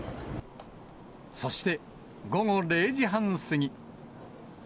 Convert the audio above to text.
そして午後０時半過ぎ。